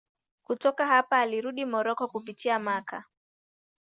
Kutoka hapa alirudi Moroko kupitia Makka.